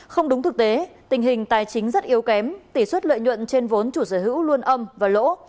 không đúng thực tế tình hình tài chính rất yếu kém tỷ suất lợi nhuận trên vốn chủ sở hữu luôn âm và lỗ